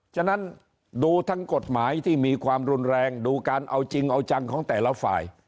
ฉะนั้นดูทั้งกฎหมายที่มีความรุนแรงดูการเอาจริงเอาจังของแต่ละฝ่าย